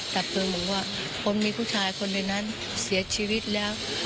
แต่ตัวผมก็ว่าผมมีผู้ชายคนในนั้นเสียชีวิตแล้ว